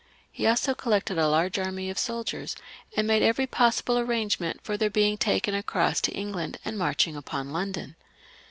He also collected a large army of soldiers, and made every possible arrangement for their being taken across to Eng land and marching upon London.